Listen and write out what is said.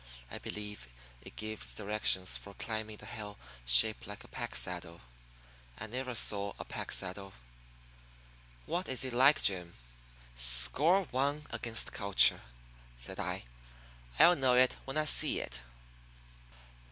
I believe it gives directions for climbing the hill shaped like a pack saddle. I never saw a pack saddle. What is it like, Jim?" "Score one against culture," said I. "I'll know it when I see it."